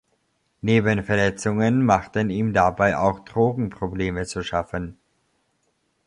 Neben Verletzungen machten ihm dabei auch Drogenprobleme zu schaffen.